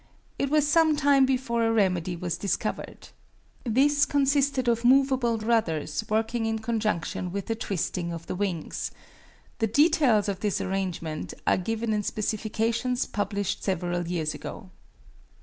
It was some time before a remedy was discovered. This consisted of movable rudders working in conjunction with the twisting of the wings. The details of this arrangement are given in specifications published several years ago.